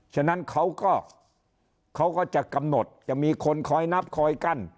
ฉะนั้นเขาก็เขาก็จะกำหนดจะมีคนคอยนับคอยกั้น